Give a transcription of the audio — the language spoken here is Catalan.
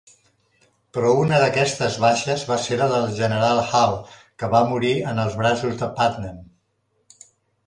Però una d'aquestes baixes va ser la del general Howe, que va morir en els braços de Putnam.